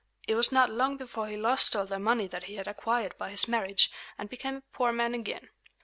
It was not long before he lost all the money that he had acquired by his marriage, and became a poor man again.